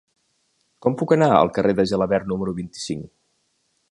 Com puc anar al carrer de Gelabert número vint-i-cinc?